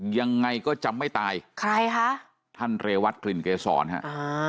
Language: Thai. ยังไงก็จะไม่ตายใครคะท่านเรวัตกลิ่นเกษรฮะอ่า